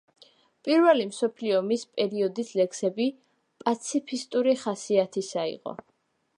პირველი მსოფლიო ომის პერიოდის ლექსები პაციფისტური ხასიათისა იყო.